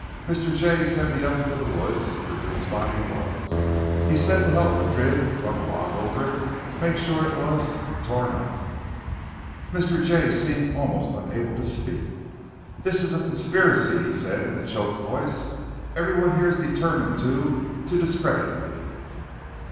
Mr. Jay sent me up into the woods where Duke's body was. He said to help Madrid run a log over it, make sure it was ... torn up." Mr. Jay seemed almost unable to speak. "This is a conspiracy!" he said in a choked voice. "Everyone here is determined to ... to discredit me."